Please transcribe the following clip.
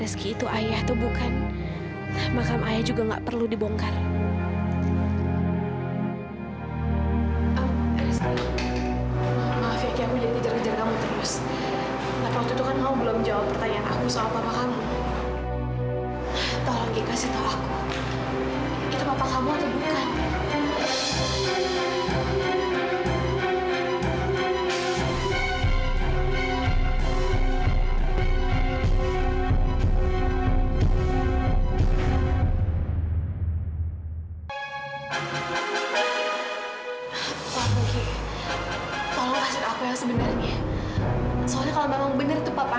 sampai jumpa di video selanjutnya